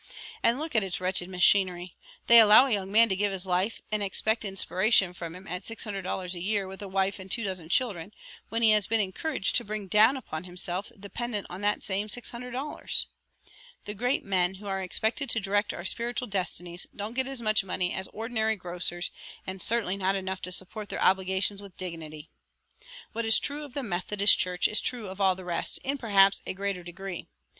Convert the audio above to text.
And look at its wretched machinery they allow a young man to give his life and expect inspiration from him at six hundred dollars a year with a wife and two dozen children, which he has been encouraged to bring down upon himself, dependent on that same six hundred dollars. The great men who are expected to direct our spiritual destinies don't get as much money as many ordinary grocers and certainly not enough to support their obligations with dignity. What is true of the Methodist Church is true of all the rest, in perhaps a greater degree.